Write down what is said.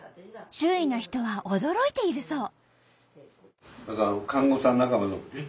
周囲の人は驚いているそう。